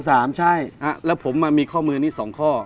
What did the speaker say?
สามใช่อ่ะแล้วผมอ่ะมีข้อมือนี่สองข้ออ๋อ